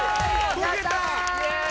◆解けたー！